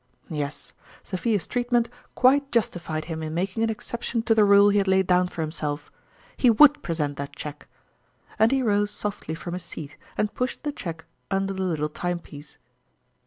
Yes ; Sophia's treatment quite justified him in making an exception to the rule he had laid down for himself he would present that cheque. And he rose softly from his seat and pushed the cheque under the "little time piece.